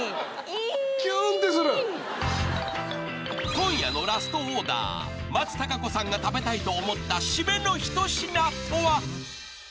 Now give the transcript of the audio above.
［今夜のラストオーダー松たか子さんが食べたいと思った締めの一品とは？］